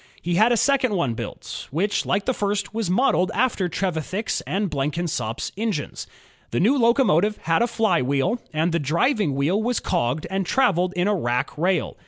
He had a second one built, which like the first was modeled after Trevithick's and Blenkinsop's engines. The new locomotive had a flywheel, and the driving wheel was cogged and traveled in a rack rail.